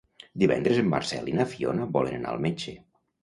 Divendres en Marcel i na Fiona volen anar al metge.